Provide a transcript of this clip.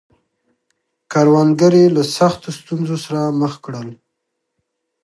کروندګر یې له سختو ستونزو سره مخ کړل.